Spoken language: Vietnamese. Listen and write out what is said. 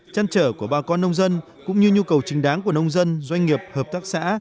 chăn trở của bà con nông dân cũng như nhu cầu trình đáng của nông dân doanh nghiệp hợp tác xã